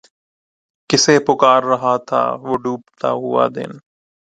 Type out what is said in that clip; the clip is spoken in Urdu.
ﮐﺴﮯ ﭘﮑﺎﺭ ﺭﮨﺎ ﺗﮭﺎ ﻭﮦ ﮈﻭﺑﺘﺎ ﮨﻮﺍ ﺩﻥ